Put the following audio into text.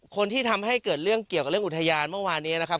คนที่ทำให้เกิดเรื่องเกี่ยวกับเรื่องอุทยานเมื่อวานนี้นะครับ